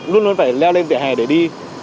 luôn luôn phải leo lên vỉa hè để đi